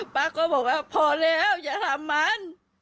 ป้าก็บอกว่าพอแล้วอย่าทำมัน